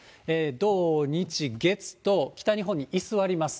土、日、月と、北日本に居座ります。